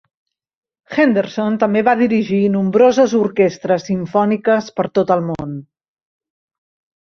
Henderson també va dirigir nombroses orquestres simfòniques per tot el món.